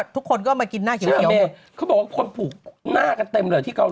ทำแล้วสวยไงมาก